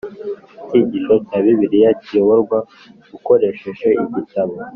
icyigisho cya Bibiliya kiyoborwa ukoresheje igitabo.